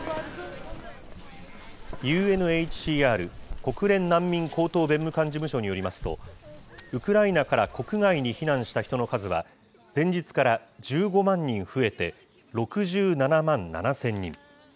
ＵＮＨＣＲ・国連難民高等弁務官事務所によりますと、ウクライナから国外に避難した人の数は、前日から１５万人増えて、６７万７０００人。